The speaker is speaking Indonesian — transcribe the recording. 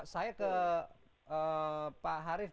saya ke pak harif